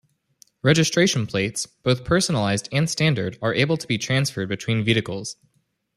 Registration plates, both personalised and standard, are able to be transferred between vehicles.